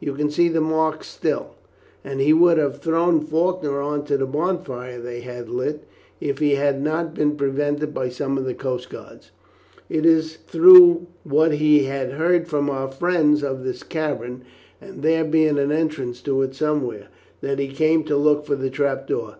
You can see the mark still; and he would have thrown Faulkner on to the bonfire they had lit if he had not been prevented by some of the coast guards. It is through what he had heard from our friends of this cavern, and there being an entrance to it somewhere, that he came to look for the trap door.